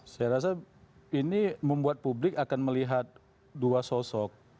saya rasa ini membuat publik akan melihat dua sosok